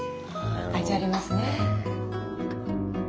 味ありますね。